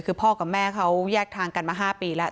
คือพ่อกับแม่เขาแยกทางกันมา๕ปีแล้ว